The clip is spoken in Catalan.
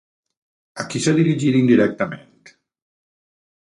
A qui s'ha dirigit indirectament?